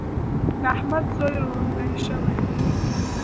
د احمد زوی روندی شوی دی.